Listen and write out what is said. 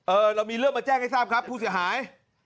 เรามีเรื่องมาแจ้งให้ทราบครับผู้เสียหาย